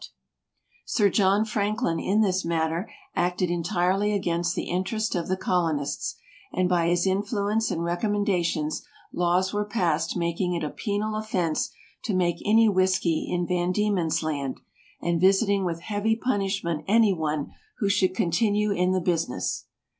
SKETCHES OF TRAVEL Sir John Franklin in this matter acted entirely against the interest of the colo nists, and by his influence and recommen dations laws were passed making it a penal offense to make any whisky in Van Die men's Land, and visiting with heavy pun ishment any one who should continue in the business.